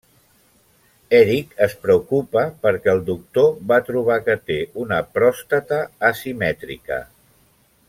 Eric es preocupa perquè el doctor va trobar que té una pròstata asimètrica.